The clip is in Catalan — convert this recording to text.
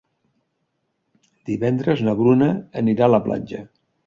Divendres na Bruna anirà a la platja.